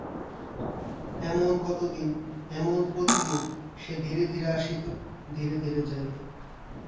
এমন কতদিন, এমন প্রতিদিন, সে ধীরে ধীরে আসিত, ধীরে ধীরে যাইত।